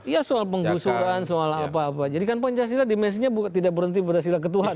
ya soal penggusuran soal apa apa jadi kan pancasila dimensinya tidak berhenti berhasil ketuhan